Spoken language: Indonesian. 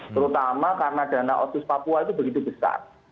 terutama karena dana otsus papua itu begitu besar